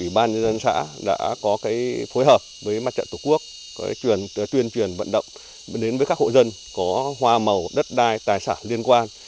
ủy ban nhân dân xã đã có phối hợp với mặt trận tổ quốc tuyên truyền vận động đến với các hộ dân có hoa màu đất đai tài sản liên quan